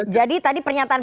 jadi tadi pernyataan